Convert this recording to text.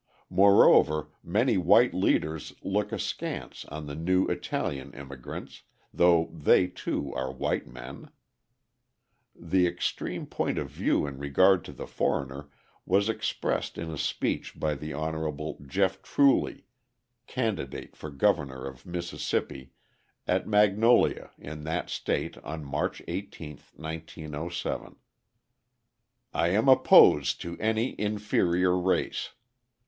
Moreover many white leaders look askance on the new Italian immigrants, though they, too, are white men. The extreme point of view in regard to the foreigner was expressed in a speech by the Hon. Jeff Truly, candidate for governor of Mississippi, at Magnolia in that state on March 18, 1907: "I am opposed to any inferior race.